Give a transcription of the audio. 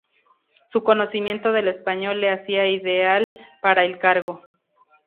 Su conocimiento del español le hacía ideal para el cargo.